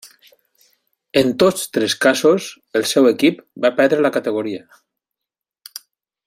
En tots tres casos el seu equip va perdre la categoria.